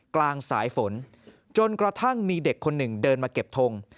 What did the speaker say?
กลางสายฝนจนกระทั่งมีเด็กคนหนึ่งเดินมาเก็บทง